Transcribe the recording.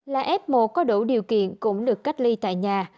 là f một có đủ điều kiện cũng được cách ly tại nhà